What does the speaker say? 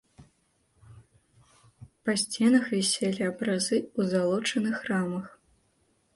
Па сценах віселі абразы ў залочаных рамах.